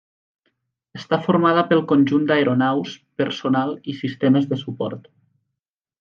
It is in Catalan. Està formada pel conjunt d'aeronaus, personal i sistemes de suport.